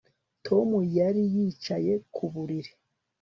Tom yari yicaye ku buriri